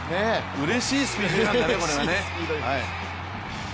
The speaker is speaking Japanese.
うれしいスピード違反だね。